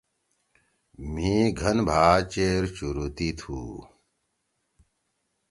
مھی گھن بھا چیر چُورِ